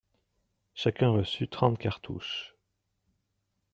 Chacun reçut trente cartouches.